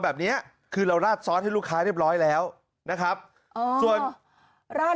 แบบเนี้ยคือเราราดซอสให้ลูกค้าเรียบร้อยแล้วนะครับส่วนราด